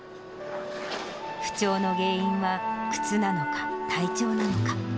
不調の原因は靴なのか、体調なのか。